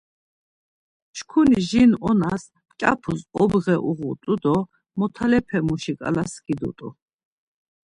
Çkuni jin onas mǩyapus obğe uğut̆u do motalepemuşi ǩala skidut̆u.